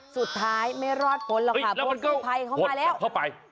สุดท้ายไม่รอดพ้นแล้วค่ะพวกผู้ภัยเข้ามาแล้วหัวลงกลับเข้าไป